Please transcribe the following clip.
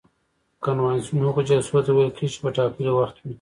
کنوانسیون هغو جلسو ته ویل کیږي چې په ټاکلي وخت وي.